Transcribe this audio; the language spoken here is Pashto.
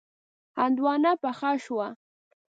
هندواڼه پخه شوه.